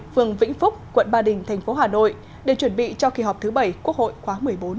phường vĩnh phúc quận ba đình thành phố hà nội để chuẩn bị cho kỳ họp thứ bảy quốc hội khóa một mươi bốn